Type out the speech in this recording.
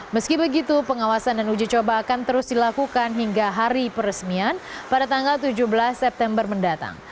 meski begitu pengawasan dan uji coba akan terus dilakukan hingga hari peresmian pada tanggal tujuh belas september mendatang